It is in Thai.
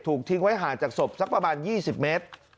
ทิ้งไว้ห่างจากศพสักประมาณ๒๐เมตร